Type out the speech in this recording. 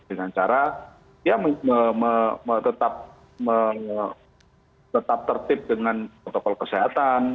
dengan cara dia tetap tertib dengan protokol kesehatan